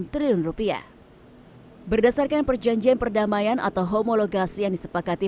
triliun rupiah berdasarkan perjanjian perdamaian atau homologasi yang disepakati